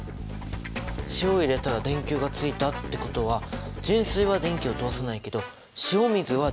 塩を入れたら電球がついたってことは純水は電気を通さないけど塩水は電気を通すんだね！